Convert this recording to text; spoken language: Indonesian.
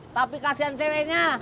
tapi kasihan ceweknya